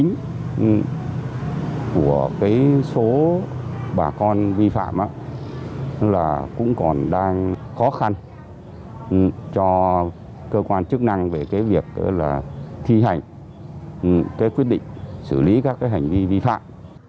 thì lượng ca nhiễm covid một mươi chín của số bà con vi phạm cũng còn đang khó khăn cho cơ quan chức năng về việc thi hành quyết định xử lý các hành vi vi phạm